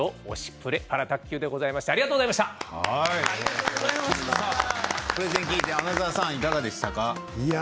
プレゼン聞いて穴澤さん、いかがでしたか？